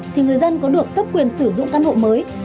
thì người dân có được cấp quyền sử dụng căn hộ mới